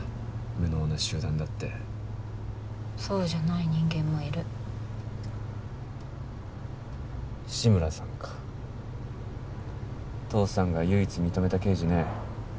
無能な集団だってそうじゃない人間もいる志村さんか父さんが唯一認めた刑事ね